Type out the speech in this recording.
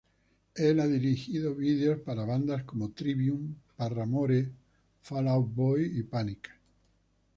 Él ha dirigido videos para bandas como Trivium, Paramore, Fall Out Boy, Panic!